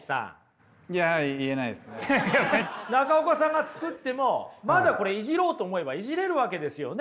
中岡さんが作ってもまだこれいじろうと思えばいじれるわけですよね。